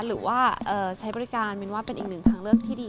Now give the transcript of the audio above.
หรือว่าใช้บริการมินว่าเป็นอีกหนึ่งทางเลือกที่ดี